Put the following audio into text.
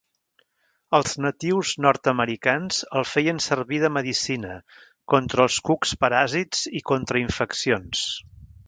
Els natius nord-americans el feien servir de medicina contra els cucs paràsits i contra infeccions.